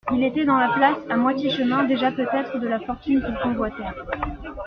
Il était dans la place, à moitié chemin déjà peut-être de la fortune qu'il convoitait.